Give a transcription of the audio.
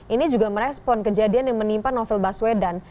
ini juga merespon kejadian yang menimpa novel baswedan